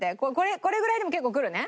これぐらいでも結構くるね？